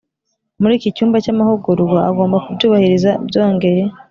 Muri iki cyumba cy amahugurwa agomba kubyubahiriza byongeye